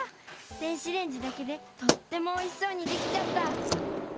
電子レンジだけでとってもおいしそうにできちゃった！